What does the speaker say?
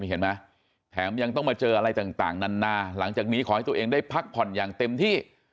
เห็นไหมแถมยังต้องมาเจออะไรต่างนานาหลังจากนี้ขอให้ตัวเองได้พักผ่อนอย่างเต็มที่